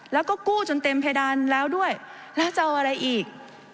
แล้วก็กู้จนเต็มเพดานแล้วด้วยแล้วจะเอาอะไรอีก